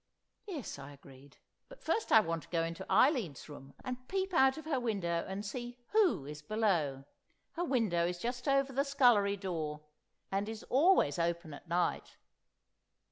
"Yes," I agreed. "But first I want to go into Eileen's room, and peep out of her window and see who is below. Her window is just over the scullery door, and is always open at night.